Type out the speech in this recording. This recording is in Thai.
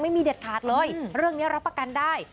เด็ดขาดเลยเรื่องนี้รับประกันได้